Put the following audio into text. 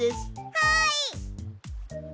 はい！